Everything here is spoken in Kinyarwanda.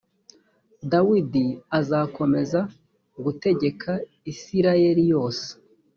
dawidi azakomeza gutegeka isirayeli yose.